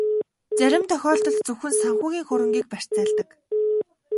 Зарим тохиолдолд зөвхөн санхүүгийн хөрөнгийг барьцаалдаг.